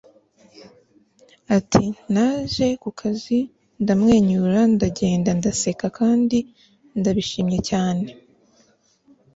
ati: naje ku kazi ndamwenyura ndagenda ndaseka, kandi ndabishimye cyane. - robert knepper